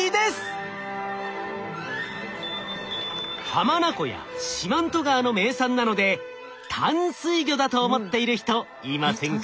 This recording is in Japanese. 浜名湖や四万十川の名産なので淡水魚だと思っている人いませんか？